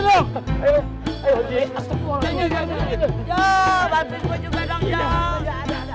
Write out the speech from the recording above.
yuk bantuin gua juga dong